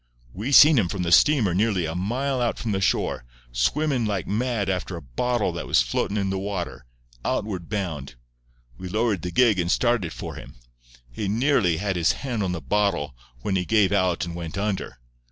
We seen him from the steamer nearly a mile out from shore, swimmin' like mad after a bottle that was floatin' in the water, outward bound. We lowered the gig and started for him. He nearly had his hand on the bottle, when he gave out and went under.